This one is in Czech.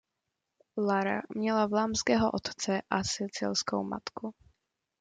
Lara měla vlámského otce a sicilskou matku.